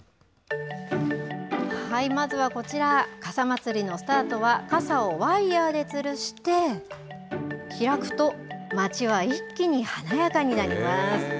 まずはこちら、傘祭りのスタートは、傘をワイヤーでつるして、開くと、街は一気に華やかになります。